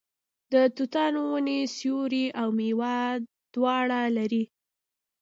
د توتانو ونې سیوری او میوه دواړه لري.